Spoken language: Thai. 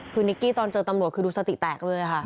คือนิกกี้ตอนเจอตำรวจคือดูสติแตกเลยค่ะ